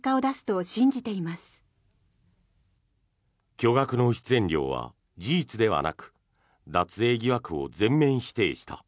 巨額の出演料は事実ではなく脱税疑惑を全面否定した。